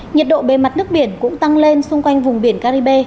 nhiệt độ bề mặt nước biển cũng tăng lên xung quanh vùng biển caribe